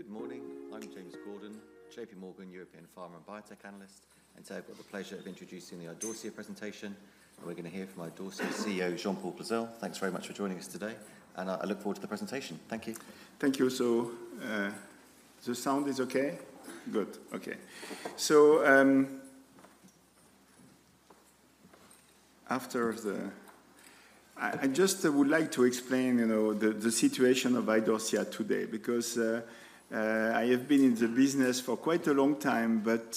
Good morning. I'm James Gordon, J.P. Morgan, European Pharma and Biotech Analyst, and today I've got the pleasure of introducing the Idorsia presentation. We're going to hear from Idorsia's CEO, Jean-Paul Clozel. Thanks very much for joining us today, and I look forward to the presentation. Thank you. Thank you. So, the sound is okay? Good. Okay. So, I just would like to explain, you know, the situation of Idorsia today, because I have been in the business for quite a long time, but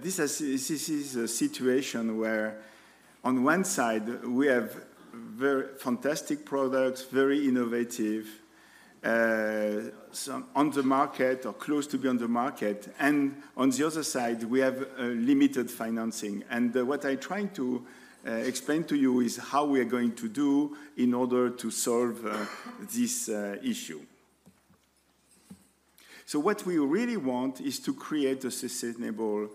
this is a situation where on one side, we have very fantastic products, very innovative, some on the market or close to be on the market, and on the other side, we have limited financing. And what I'm trying to explain to you is how we are going to do in order to solve this issue. So what we really want is to create a sustainable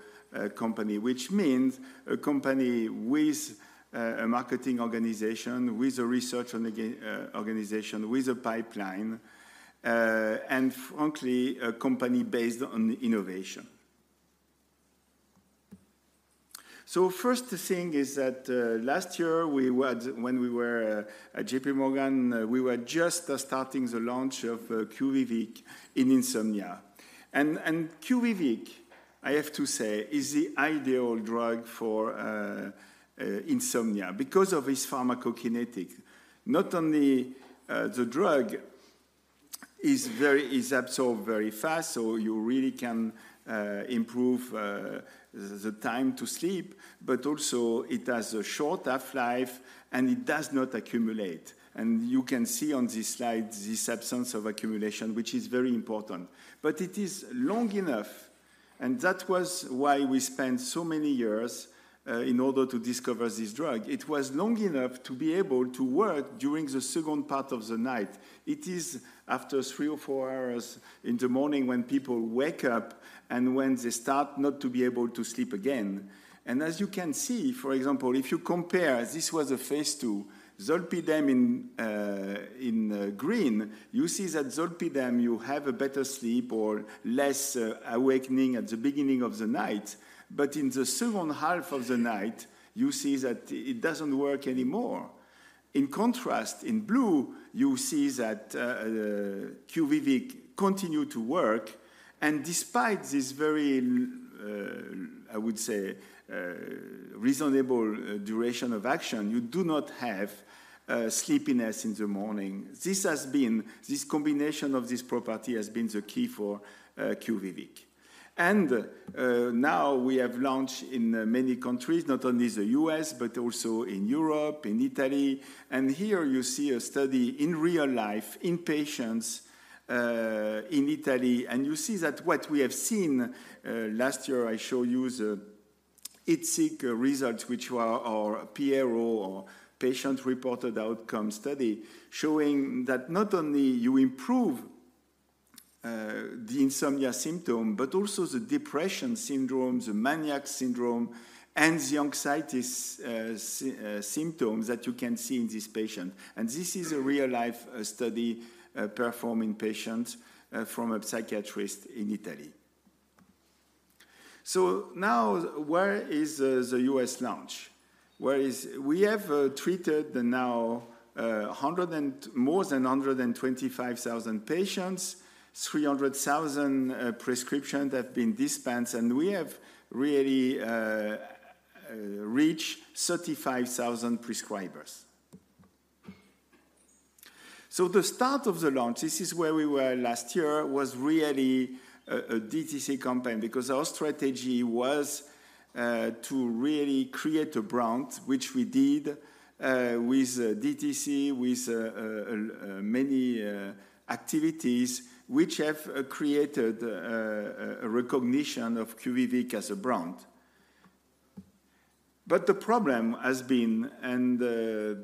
company, which means a company with a marketing organization, with a research and a organization, with a pipeline, and frankly, a company based on innovation. So first thing is that last year, when we were at J.P. Morgan, we were just starting the launch of QUVIVIQ in insomnia. And QUVIVIQ, I have to say, is the ideal drug for insomnia because of its pharmacokinetics. Not only the drug is absorbed very fast, so you really can improve the time to sleep, but also it has a short half-life, and it does not accumulate. And you can see on this slide, this absence of accumulation, which is very important. But it is long enough, and that was why we spent so many years in order to discover this drug. It was long enough to be able to work during the second part of the night. It is after three or four hours in the morning when people wake up and when they start not to be able to sleep again. And as you can see, for example, if you compare, this was a phase II, zolpidem in, in green, you see that zolpidem, you have a better sleep or less, awakening at the beginning of the night. But in the second half of the night, you see that it doesn't work anymore. In contrast, in blue, you see that QUVIVIQ continue to work, and despite this very, I would say, reasonable duration of action, you do not have, sleepiness in the morning. This combination of this property has been the key for, QUVIVIQ. Now we have launched in, many countries, not only the U.S., but also in Europe, in Italy. And here you see a study in real life, in patients, in Italy, and you see that what we have seen last year, I show you the IDSIQ results, which were our PRO or Patient Reported Outcome study, showing that not only you improve the insomnia symptom, but also the depression syndromes, the maniac syndrome, and the anxiety symptoms that you can see in this patient. And this is a real-life study performed in patients from a psychiatrist in Italy. So now, where is the US launch? Where is— We have treated now more than 125,000 patients, 300,000 prescriptions have been dispensed, and we have really reached 35,000 prescribers. So the start of the launch, this is where we were last year, was really a DTC campaign, because our strategy was to really create a brand, which we did with many activities, which have created a recognition of QUVIVIQ as a brand. But the problem has been, and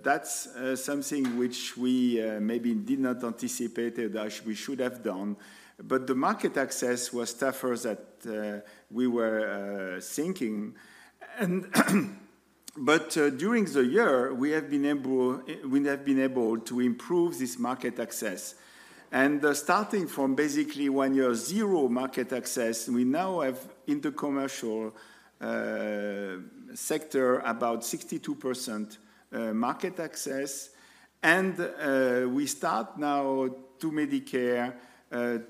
that's something which we maybe did not anticipate as we should have done, but the market access was tougher than we were thinking. But during the year, we have been able to improve this market access. And starting from basically one year, zero market access, we now have in the commercial sector about 62% market access, and we start now to Medicare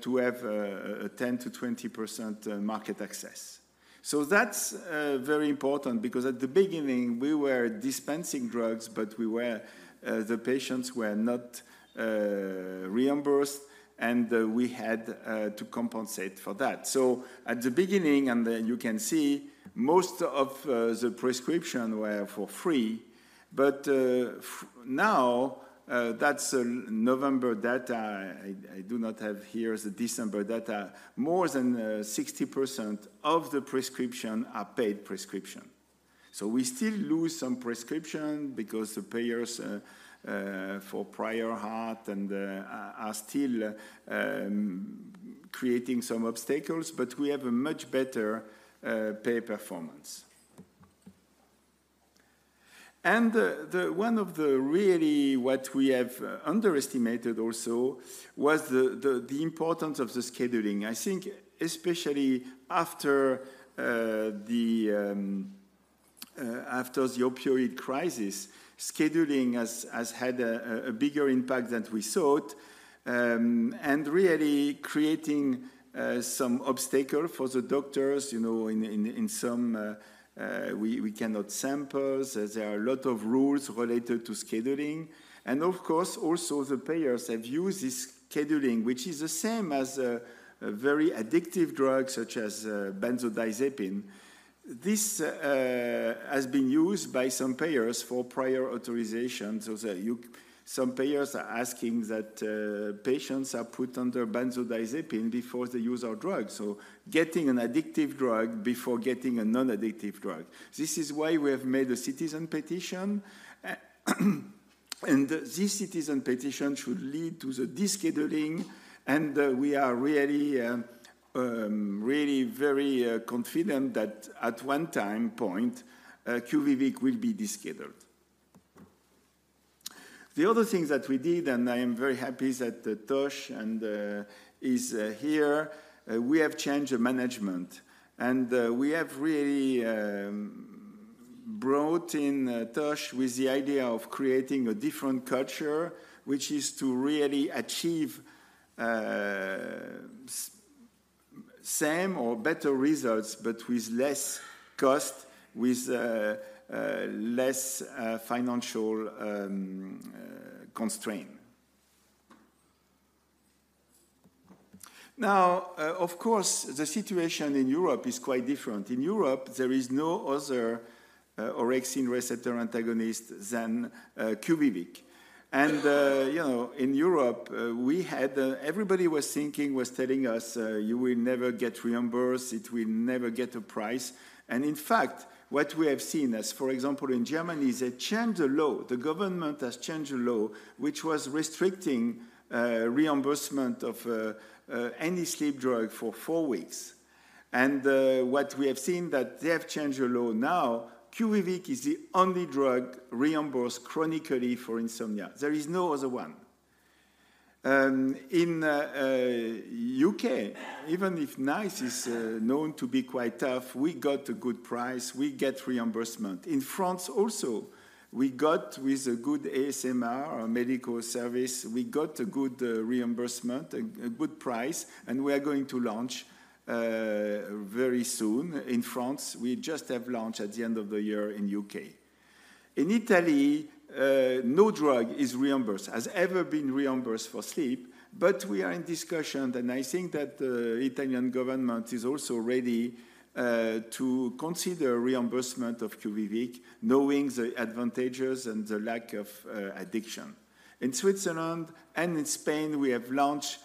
to have a 10%-20% market access. So that's very important because at the beginning, we were dispensing drugs, but we were the patients were not reimbursed, and we had to compensate for that. So at the beginning, and then you can see, most of the prescription were for free, but now that's November data. I do not have here the December data. More than 60% of the prescription are paid prescription. So we still lose some prescription because the payers for prior authorization are still creating some obstacles, but we have a much better payer performance. And the one thing that we really underestimated also was the importance of the scheduling. I think especially after the opioid crisis, scheduling has had a bigger impact than we thought, and really creating some obstacle for the doctors, you know, in some we cannot sample. There are a lot of rules related to scheduling. And of course, also the payers have used this scheduling, which is the same as a very addictive drug, such as benzodiazepine. This has been used by some payers for prior authorization. So some payers are asking that patients are put under benzodiazepine before they use our drug. So getting an addictive drug before getting a non-addictive drug. This is why we have made a citizen petition, and this citizen petition should lead to the descheduling, and we are really, really very confident that at one time point, QUVIVIQ will be descheduled. The other thing that we did, and I am very happy that Tosh and is here, we have changed the management. We have really brought in Tosh with the idea of creating a different culture, which is to really achieve same or better results, but with less cost, with less financial constraint. Now, of course, the situation in Europe is quite different. In Europe, there is no other orexin receptor antagonist than QUVIVIQ. And you know, in Europe, everybody was thinking, was telling us, "You will never get reimbursed. It will never get a price." And in fact, what we have seen as, for example, in Germany, is they changed the law. The government has changed the law, which was restricting reimbursement of any sleep drug for four weeks. And what we have seen that they have changed the law. Now, QUVIVIQ is the only drug reimbursed chronically for insomnia. There is no other one. In U.K., even if NICE is known to be quite tough, we got a good price. We get reimbursement. In France also, we got with a good ASMR or medical service, we got a good reimbursement, a good price, and we are going to launch very soon in France. We just have launched at the end of the year in U.K. In Italy, no drug is reimbursed, has ever been reimbursed for sleep, but we are in discussion, and I think that the Italian government is also ready to consider reimbursement of QUVIVIQ, knowing the advantages and the lack of addiction. In Switzerland and in Spain, we have launched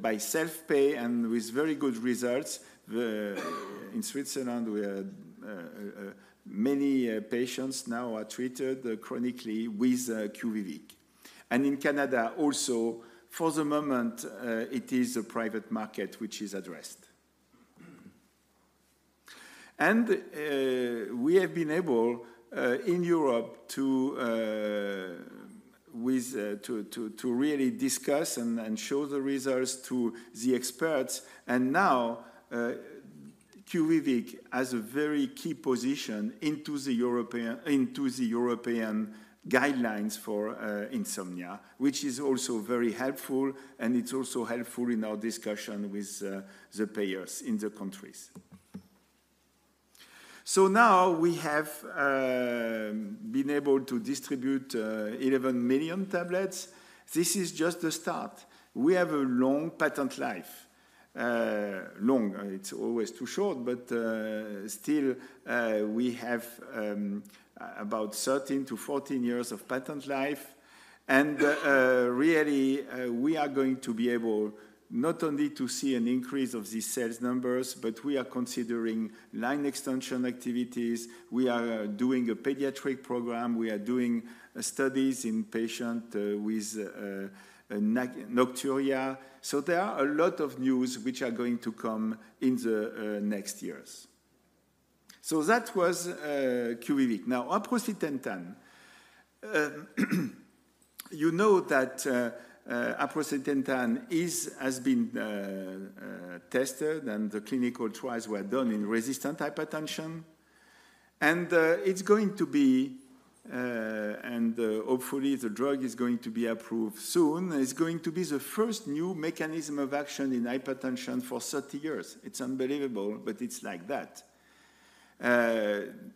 by self-pay and with very good results. In Switzerland, many patients now are treated chronically with QUVIVIQ. And in Canada also, for the moment, it is a private market which is addressed. And we have been able in Europe to really discuss and show the results to the experts. Now, QUVIVIQ has a very key position into the European, into the European guidelines for insomnia, which is also very helpful, and it's also helpful in our discussion with, the payers in the countries. So now we have, been able to distribute, 11 million tablets. This is just the start. We have a long patent life. Long, it's always too short, but still we have about 13-14 years of patent life. And, really, we are going to be able not only to see an increase of the sales numbers, but we are considering line extension activities. We are doing a pediatric program. We are doing studies in patient with nocturia. So there are a lot of news which are going to come in the, next years. So that was, QUVIVIQ. Now, aprocitentan. You know that, aprocitentan has been, tested, and the clinical trials were done in resistant hypertension. It's going to be, and, hopefully the drug is going to be approved soon. It's going to be the first new mechanism of action in hypertension for 30 years. It's unbelievable, but it's like that.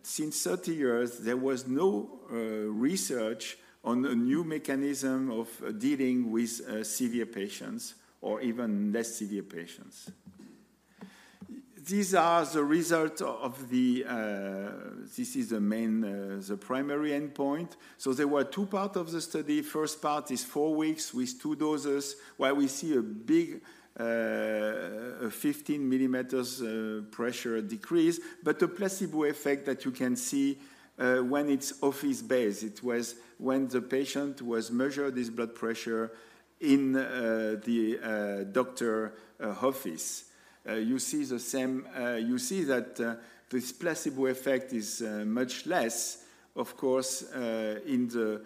Since 30 years, there was no, research on a new mechanism of dealing with, severe patients or even less severe patients. These are the results of the. This is the main, the primary endpoint. So there were two part of the study. First part is four weeks with two doses, where we see a big, fifteen millimeters, pressure decrease, but a placebo effect that you can see, when it's office-based. It was when the patient was measured his blood pressure in the doctor's office. You see that this placebo effect is much less, of course, in the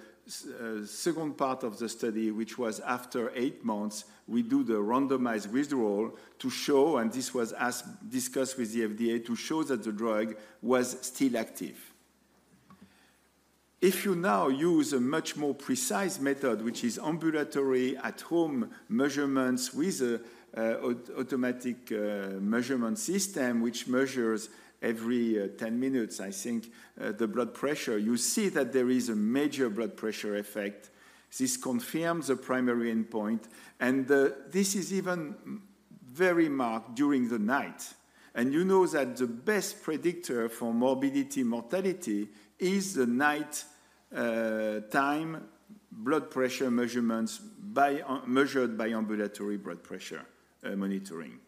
second part of the study, which was after eight months. We do the randomized withdrawal to show, and this was as discussed with the FDA, to show that the drug was still active. If you now use a much more precise method, which is ambulatory at-home measurements with an automatic measurement system, which measures every 10 minutes, I think, the blood pressure, you see that there is a major blood pressure effect. This confirms the primary endpoint, and this is even very marked during the night. You know that the best predictor for morbidity, mortality is the nighttime blood pressure measurements by measured by ambulatory blood pressure monitoring.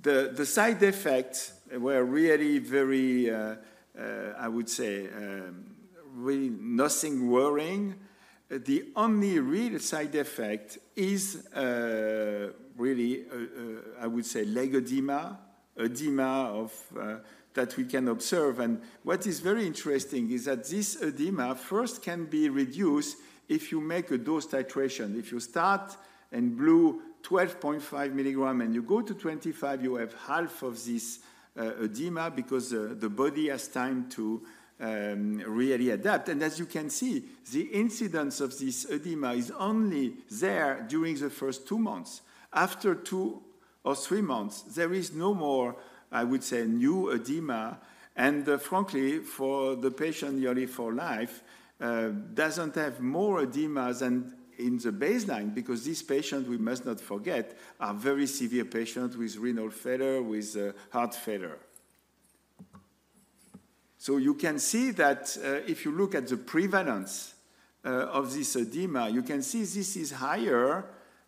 The side effects were really very, I would say, really nothing worrying. The only real side effect is really, I would say leg edema, edema of that we can observe. What is very interesting is that this edema first can be reduced if you make a dose titration. If you start in blue, 12.5 mg, and you go to 25, you have half of this edema because the body has time to really adapt. As you can see, the incidence of this edema is only there during the first two months. After two or three months, there is no more, I would say, new edema, and frankly, for the patient yearly for life, doesn't have more edema than in the baseline because these patients, we must not forget, are very severe patients with renal failure, with heart failure. So you can see that, if you look at the prevalence of this edema, you can see this is higher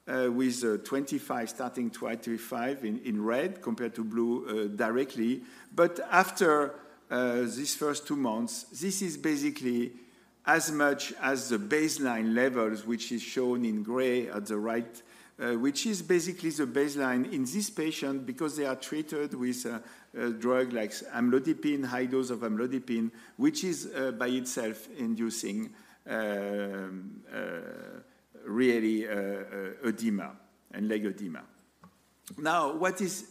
with 25, starting 25 in red compared to blue, directly. But after these first two months, this is basically as much as the baseline levels, which is shown in gray at the right, which is basically the baseline in this patient because they are treated with a drug like amlodipine, high dose of amlodipine, which is by itself inducing edema and leg edema. Now, what is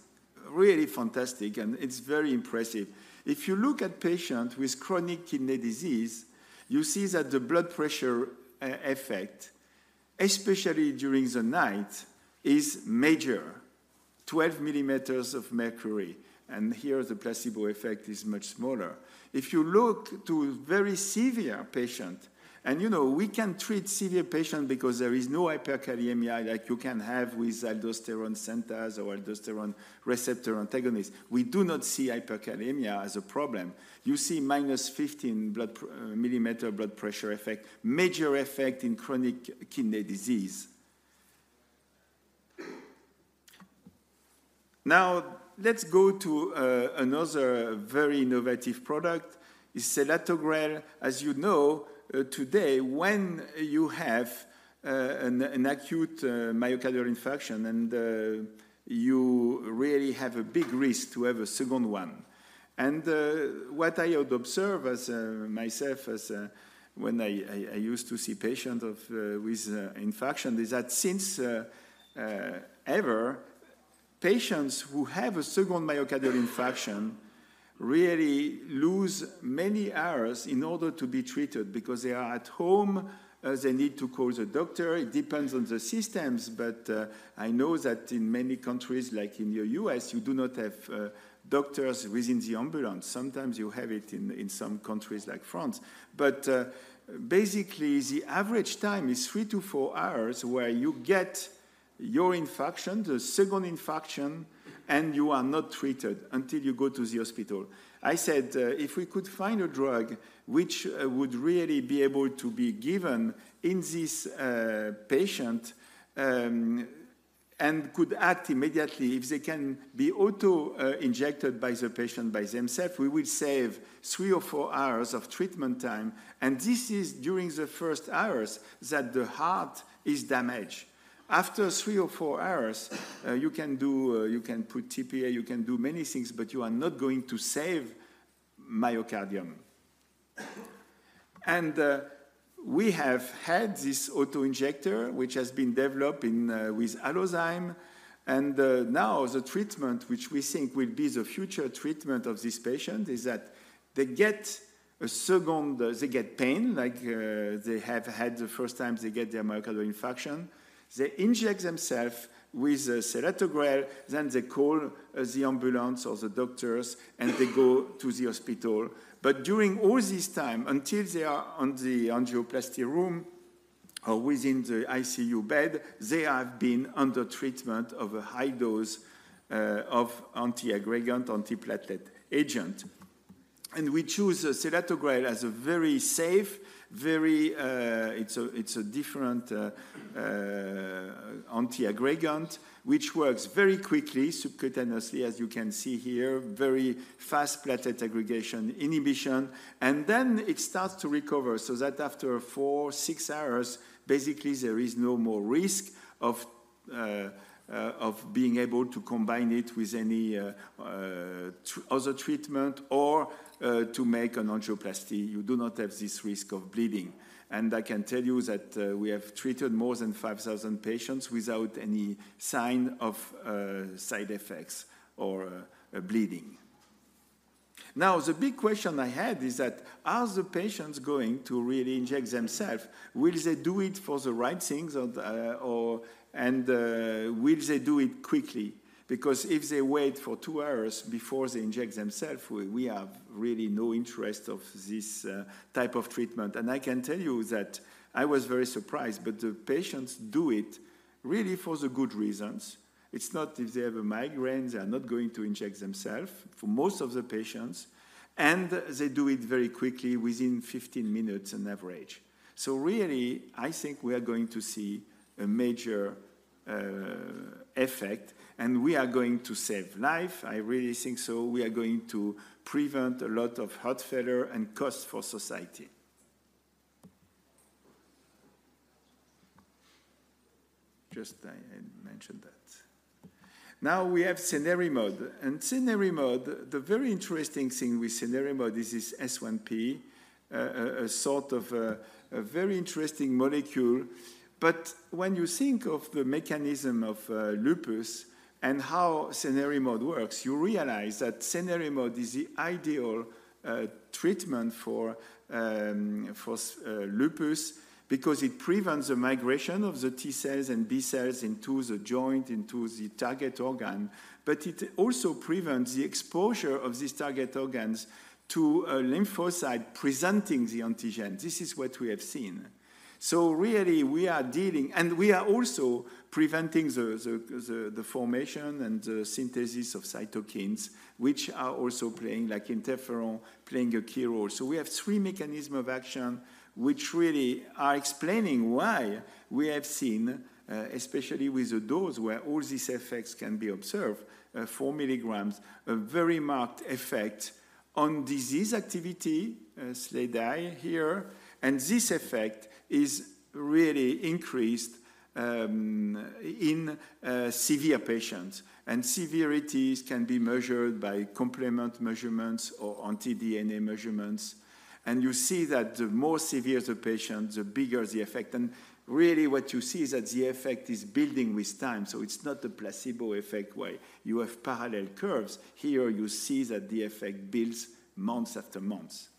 really fantastic, and it's very impressive, if you look at patients with chronic kidney disease, you see that the blood pressure effect, especially during the night, is major. 12 mm of mercury, and here the placebo effect is much smaller. If you look to very severe patient, and you know, we can treat severe patient because there is no hyperkalemia like you can have with aldosterone synthesis or aldosterone receptor antagonist. We do not see hyperkalemia as a problem. You see minus fifteen millimeter blood pressure effect, major effect in chronic kidney disease. Now, let's go to another very innovative product, is selatogrel. As you know, today, when you have an acute myocardial infarction, and you really have a big risk to have a second one. What I would observe as myself as when I used to see patients with infarction is that since ever patients who have a second myocardial infarction really lose many hours in order to be treated because they are at home. They need to call the doctor. It depends on the systems, but I know that in many countries, like in the U.S., you do not have doctors within the ambulance. Sometimes you have it in some countries like France. But basically, the average time is three to four hours, where you get your infarction, the second infarction, and you are not treated until you go to the hospital. I said, if we could find a drug which would really be able to be given in this patient and could act immediately, if they can be auto injected by the patient, by themself, we will save three or four hours of treatment time, and this is during the first hours that the heart is damaged. After three or four hours, you can do, you can put tPA, you can do many things, but you are not going to save myocardium. And we have had this auto-injector, which has been developed in with Halozyme, and now the treatment, which we think will be the future treatment of this patient, is that they get pain like they have had the first time they get the myocardial infarction. They inject themselves with the selatogrel, then they call the ambulance or the doctors, and they go to the hospital. But during all this time, until they are on the angioplasty room or within the ICU bed, they have been under treatment of a high dose of antiaggregant, antiplatelet agent, and we choose clopidogrel as a very safe, very, it's a, it's a different anti-aggregant, which works very quickly, subcutaneously, as you can see here, very fast platelet aggregation inhibition. And then it starts to recover, so that after four to six hours, basically there is no more risk of being able to combine it with any other treatment or to make an angioplasty. You do not have this risk of bleeding. And I can tell you that we have treated more than 5,000 patients without any sign of side effects or bleeding. Now, the big question I had is that, are the patients going to really inject themselves? Will they do it for the right things or or and will they do it quickly? Because if they wait for two hours before they inject themselves, we have really no interest of this type of treatment. And I can tell you that I was very surprised, but the patients do it really for the good reasons. It's not if they have a migraine, they are not going to inject themselves for most of the patients, and they do it very quickly, within 15 minutes on average. So really, I think we are going to see a major effect, and we are going to save life. I really think so. We are going to prevent a lot of heart failure and cost for society. Just I mentioned that. Now, we have cenerimod. And cenerimod, the very interesting thing with cenerimod is this S1P, a sort of a very interesting molecule. But when you think of the mechanism of lupus and how cenerimod works, you realize that cenerimod is the ideal treatment for lupus because it prevents the migration of the T cells and B cells into the joint, into the target organ. But it also prevents the exposure of these target organs to a lymphocyte presenting the antigen. This is what we have seen. So really, we are dealing. And we are also preventing the formation and the synthesis of cytokines, which are also playing, like interferon, playing a key role. So we have three mechanisms of action, which really are explaining why we have seen, especially with the dose where all these effects can be observed, 4 mg, a very marked effect on disease activity, SLEDAI here, and this effect is really increased in severe patients. And severities can be measured by complement measurements or anti-DNA measurements, and you see that the more severe the patient, the bigger the effect. And really what you see is that the effect is building with time, so it's not a placebo effect where you have parallel curves. Here you see that the effect builds months after months.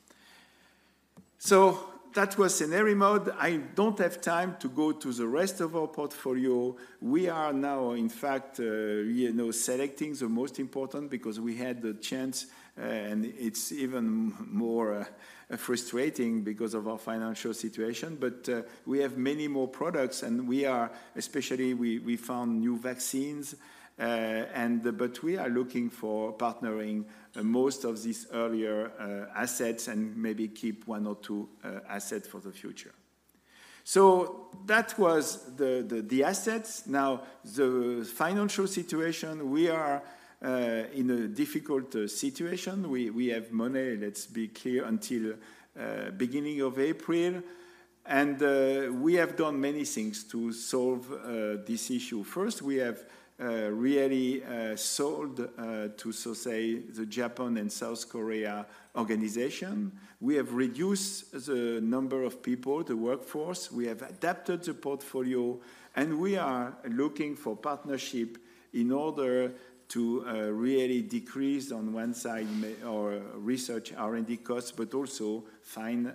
So that was cenerimod. I don't have time to go to the rest of our portfolio. We are now, in fact, you know, selecting the most important because we had the chance, and it's even more frustrating because of our financial situation. But we have many more products and especially we found new vaccines, and but we are looking for partnering most of these earlier assets and maybe keep one or two assets for the future. So that was the assets. Now, the financial situation, we are in a difficult situation. We have money, let's be clear, until beginning of April, and we have done many things to solve this issue. First, we have really sold, to so say, the Japan and South Korea organization. We have reduced the number of people, the workforce, we have adapted the portfolio, and we are looking for partnership in order to really decrease on one side, our research, R&D costs, but also find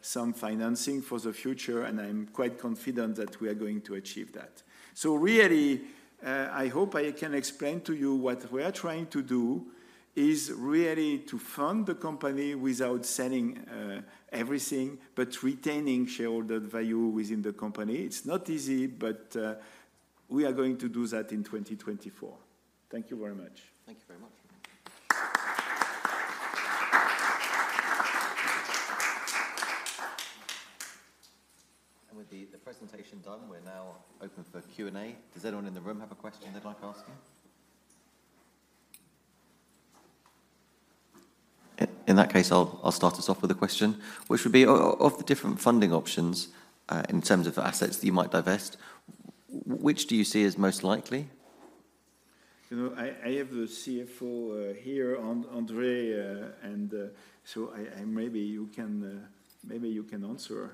some financing for the future, and I'm quite confident that we are going to achieve that. So really, I hope I can explain to you what we are trying to do is really to fund the company without selling everything, but retaining shareholder value within the company. It's not easy, but we are going to do that in 2024. Thank you very much. Thank you very much. With the presentation done, we're now open for Q&A. Does anyone in the room have a question they'd like to ask him? In that case, I'll start us off with a question, which would be of the different funding options, in terms of assets that you might divest, which do you see as most likely? You know, I have a CFO here, André, and so maybe you can answer.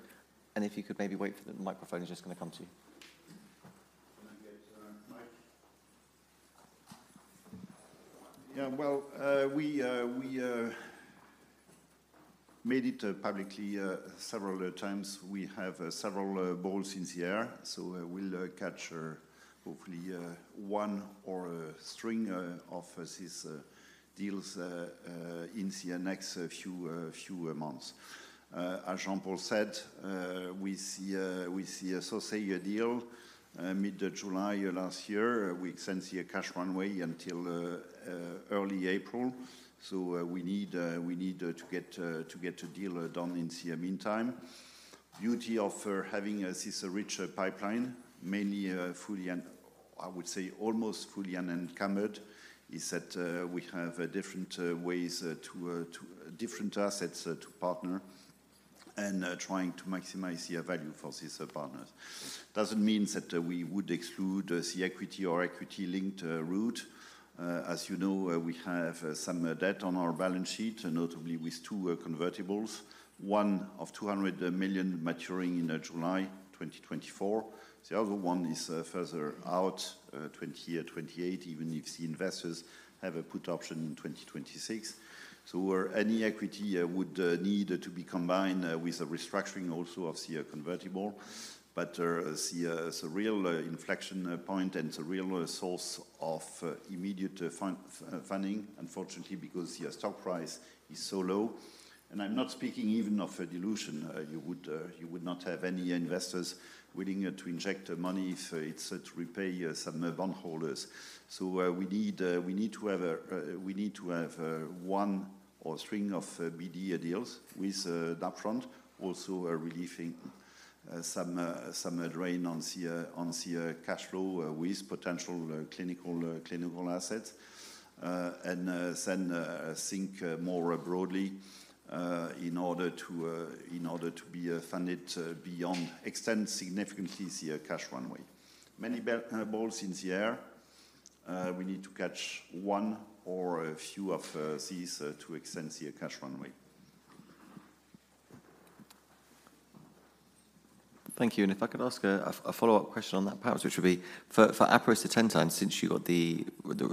If you could maybe wait for the microphone, it's just going to come to you. Can I get a mic? Yeah, well, we made it publicly several times. We have several balls in the air, so we'll catch, hopefully, one or a string of these deals in the next few months. As Jean-Paul said, we see a Sosei deal mid-July last year. We extend the cash runway until early April. So, we need to get a deal done in the meantime. Beauty of having this rich pipeline, mainly fully and I would say almost fully unencumbered, is that we have different ways to different assets to partner and trying to maximize the value for these partners. Doesn't mean that we would exclude the equity or equity-linked route. As you know, we have some debt on our balance sheet, notably with two convertibles. One of 200 million maturing in July 2024. The other one is further out, 2028, even if the investors have a put option in 2026. So any equity would need to be combined with a restructuring also of the convertible. But the real inflection point and the real source of immediate funding, unfortunately, because the stock price is so low. And I'm not speaking even of a dilution. You would not have any investors willing to inject money if it's to repay some bondholders. So we need to have one or string of BD deals with upfront, also relieving some drain on the cash flow with potential clinical assets. And then, think more broadly, in order to be funded beyond—extend significantly the cash runway. Many balls in the air. We need to catch one or a few of these to extend the cash runway. Thank you. And if I could ask a follow-up question on that perhaps, which would be for aprocitentan, since you got the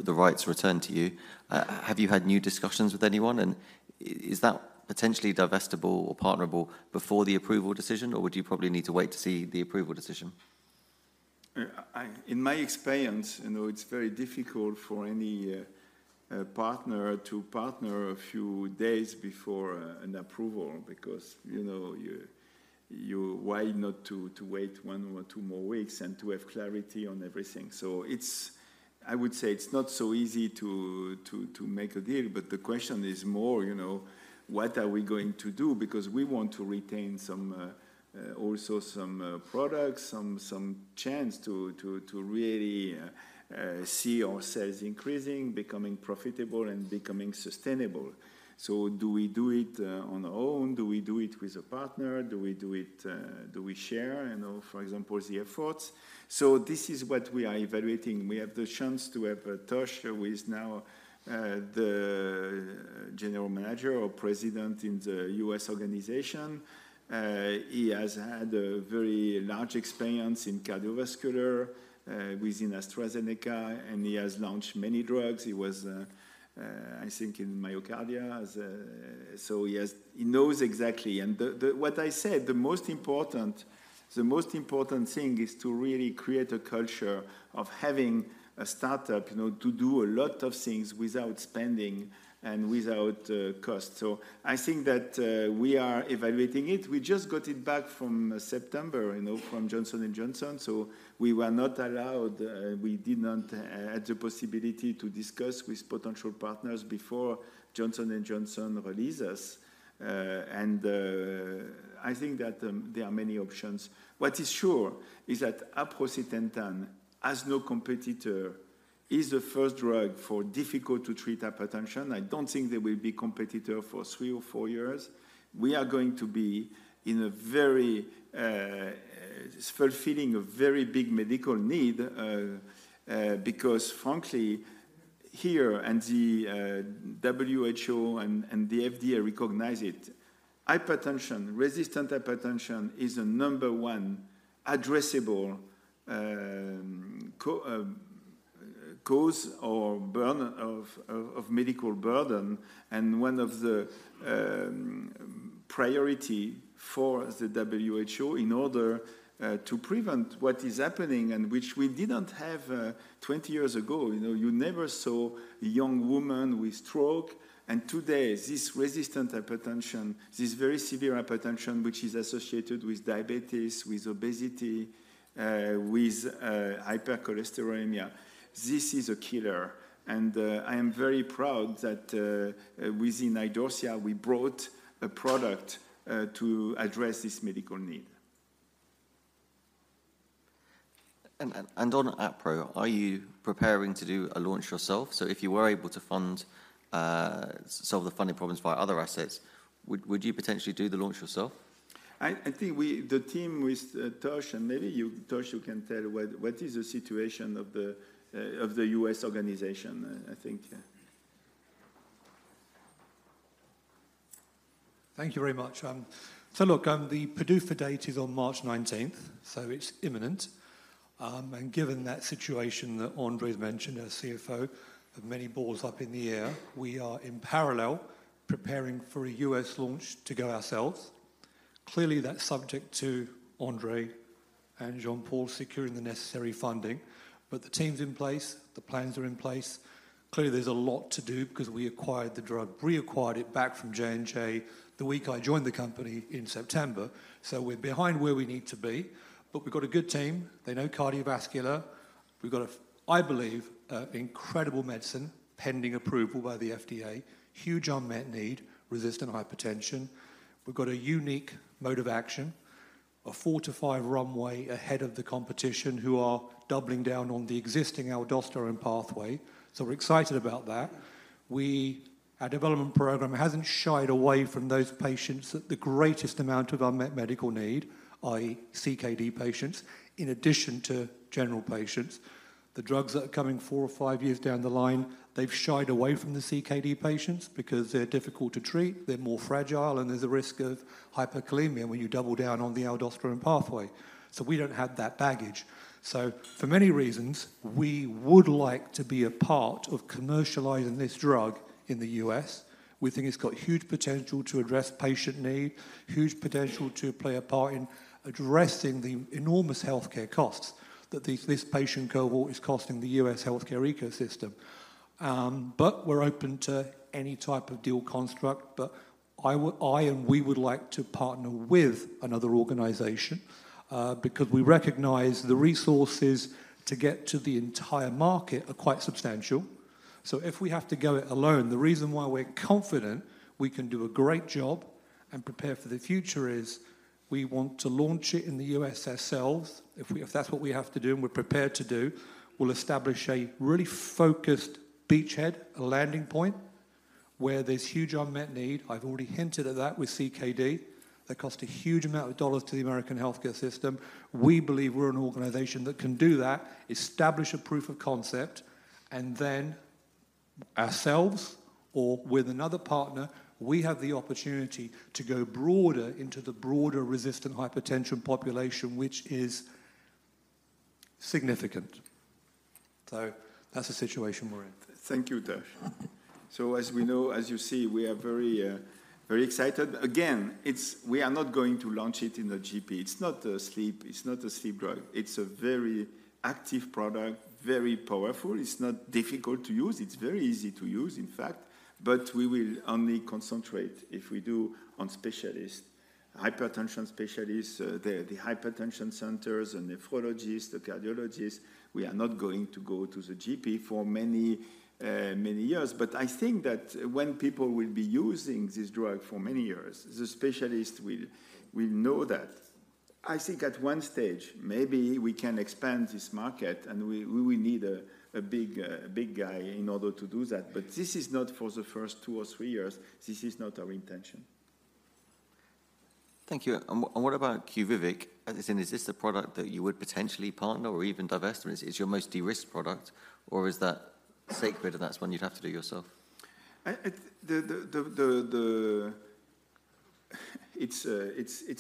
rights returned to you, have you had new discussions with anyone? And is that potentially divestible or partnerable before the approval decision, or would you probably need to wait to see the approval decision? In my experience, you know, it's very difficult for any partner to partner a few days before an approval because, you know, why not wait one or two more weeks and to have clarity on everything? So it's I would say it's not so easy to make a deal, but the question is more, you know, what are we going to do? Because we want to retain some also some products, some chance to really see our sales increasing, becoming profitable, and becoming sustainable. So do we do it on our own? Do we do it with a partner? Do we do it, do we share, you know, for example, the efforts? So this is what we are evaluating. We have the chance to have Tosh, who is now the General Manager or President in the U.S. organization. He has had a very large experience in cardiovascular within AstraZeneca, and he has launched many drugs. He was, I think, in MyoKardia as. So he knows exactly. And what I said, the most important, the most important thing is to really create a culture of having a startup, you know, to do a lot of things without spending and without cost. So I think that we are evaluating it. We just got it back from September, you know, from Johnson & Johnson. So we were not allowed, we did not have the possibility to discuss with potential partners before Johnson & Johnson release us. And I think that there are many options. What is sure is that aprocitentan has no competitor, is the first drug for difficult-to-treat hypertension. I don't think there will be competitor for three or four years. We are going to be in a very fulfilling a very big medical need, because frankly, here and the WHO and the FDA recognize it, hypertension, resistant hypertension is the number one addressable cause or burden of medical burden, and one of the priority for the WHO in order to prevent what is happening and which we didn't have 20 years ago. You know, you never saw a young woman with stroke. Today, this resistant hypertension, this very severe hypertension, which is associated with diabetes, with obesity, with hypercholesterolemia, this is a killer. I am very proud that, within Idorsia, we brought a product to address this medical need. Are you preparing to do a launch yourself? So if you were able to solve the funding problems via other assets, would you potentially do the launch yourself? I think we, the team with Tosh, and maybe you, Tosh, you can tell what is the situation of the U.S. organization, I think, yeah. Thank you very much. So look, the PDUFA date is on March 19th, so it's imminent. And given that situation that André has mentioned, our CFO, of many balls up in the air, we are in parallel preparing for a U.S. launch to go ourselves. Clearly, that's subject to André and Jean-Paul securing the necessary funding. But the team's in place, the plans are in place. Clearly, there's a lot to do because we acquired the drug, reacquired it back from J&J the week I joined the company in September. So we're behind where we need to be, but we've got a good team. They know cardiovascular. We've got a, I believe, incredible medicine, pending approval by the FDA. Huge unmet need, resistant hypertension. We've got a unique mode of action, a four to five runway ahead of the competition, who are doubling down on the existing aldosterone pathway. So we're excited about that. Our development program hasn't shied away from those patients at the greatest amount of unmet medical need, i.e., CKD patients, in addition to general patients. The drugs that are coming four or five years down the line, they've shied away from the CKD patients because they're difficult to treat, they're more fragile, and there's a risk of hyperkalemia when you double down on the aldosterone pathway. So we don't have that baggage. So for many reasons, we would like to be a part of commercializing this drug in the U.S. We think it's got huge potential to address patient need, huge potential to play a part in addressing the enormous healthcare costs that these, this patient cohort is costing the U.S. healthcare ecosystem. But we're open to any type of deal construct, but I would, I and we would like to partner with another organization, because we recognize the resources to get to the entire market are quite substantial. So if we have to go it alone, the reason why we're confident we can do a great job and prepare for the future is we want to launch it in the U.S. ourselves. If we, if that's what we have to do, and we're prepared to do, we'll establish a really focused beachhead, a landing point, where there's huge unmet need. I've already hinted at that with CKD. That cost a huge amount of dollars to the American healthcare system. We believe we're an organization that can do that, establish a proof of concept, and then ourselves or with another partner, we have the opportunity to go broader into the broader resistant hypertension population, which is significant. That's the situation we're in. Thank you, Tosh. So as we know, as you see, we are very, very excited. Again, we are not going to launch it in the GP. It's not a sleep, it's not a sleep drug. It's a very active product, very powerful. It's not difficult to use. It's very easy to use, in fact, but we will only concentrate, if we do, on specialists, hypertension specialists, the, the hypertension centers and nephrologists, the cardiologists. We are not going to go to the GP for many, many years. But I think that when people will be using this drug for many years, the specialists will, will know that. I think at one stage, maybe we can expand this market, and we, we will need a, a big, a big guy in order to do that. But this is not for the first two or three years. This is not our intention. Thank you. And what about QUVIVIQ? As in, is this a product that you would potentially partner or even divest? It's your most de-risked product, or is that sacred, and that's one you'd have to do yourself? It's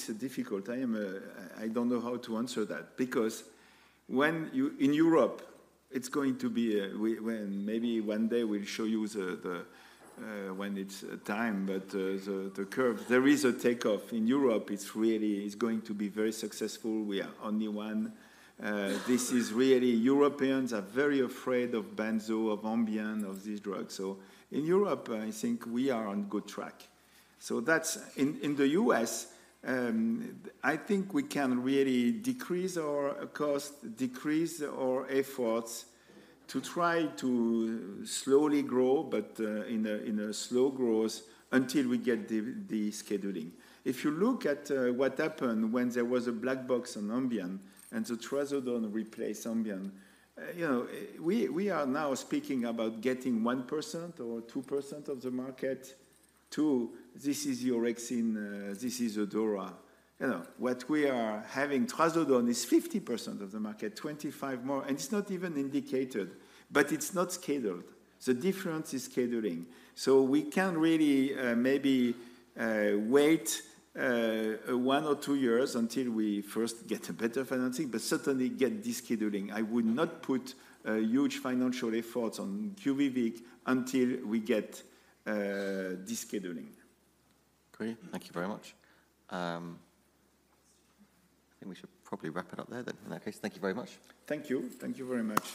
a difficult. I don't know how to answer that because when you... In Europe, it's going to be. Maybe one day we'll show you the curve when it's time, but there is a takeoff. In Europe, it's really, it's going to be very successful. We are only one. This is really, Europeans are very afraid of Benzo, of Ambien, of these drugs. So in Europe, I think we are on good track. So that's in the U.S., I think we can really decrease our cost, decrease our efforts to try to slowly grow, but in a slow growth until we get the scheduling. If you look at what happened when there was a black box on Ambien and the trazodone replaced Ambien, you know, we, we are now speaking about getting 1% or 2% of the market to this is orexin, this is Idorsia. You know, what we are having, trazodone is 50% of the market, 25 more, and it's not even indicated, but it's not scheduled. The difference is scheduling. So we can really maybe wait one or two years until we first get a better financing, but certainly get the scheduling. I would not put huge financial efforts on QUVIVIQ until we get the scheduling. Great. Thank you very much. I think we should probably wrap it up there then. In that case, thank you very much. Thank you. Thank you very much.